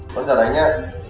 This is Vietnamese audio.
để gốc cây nhé